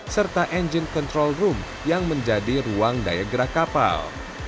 serta engine control room yang menjadi ruang daya gerak kapal